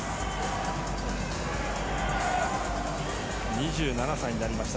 ２７歳になりました。